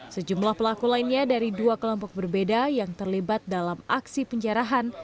sejumlah pelaku lainnya dari dua kelompok berbeda yang terlibat dalam aksi penjarahan